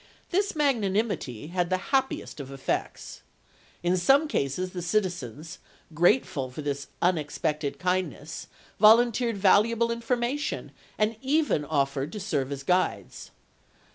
This magnanimity had the happiest effect. In some cases the citizens, grateful for this unexpected kindness, volunteered valuable informa tion and even offered to serve as guides.